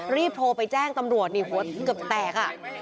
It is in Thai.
รีบโทรไปแจ้งตำรวจนี่หัวเกือบแตกอ่ะ